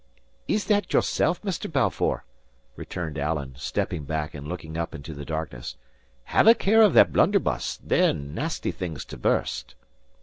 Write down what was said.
* Dealings. "Is that yoursel', Mr. Balfour?" returned Alan, stepping back and looking up into the darkness. "Have a care of that blunderbuss; they're nasty things to burst."